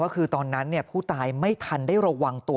ก็คือตอนนั้นผู้ตายไม่ทันได้ระวังตัว